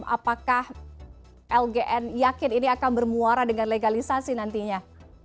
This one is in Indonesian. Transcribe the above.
apakah lgn yakin ini akan bermuara dengan legalisasi nantinya